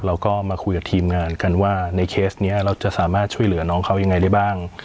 เราก็มาคุยกับทีมงานกันว่าในเคสนี้เราจะสามารถช่วยเหลือน้องเขายังไงได้บ้าง